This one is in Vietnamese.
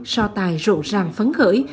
so tài rộ ràng phấn khởi